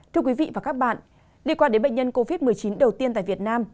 thưa quý vị và các bạn liên quan đến bệnh nhân covid một mươi chín đầu tiên tại việt nam